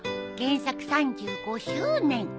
「原作３５周年！」